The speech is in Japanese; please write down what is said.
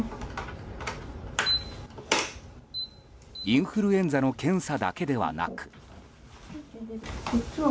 インフルエンザの検査だけではなく。